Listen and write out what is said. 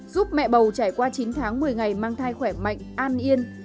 giúp mẹ bầu trải qua chín tháng một mươi ngày mang thai khỏe mạnh an yên